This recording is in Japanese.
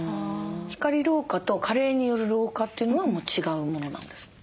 光老化と加齢による老化というのは違うものなんですか？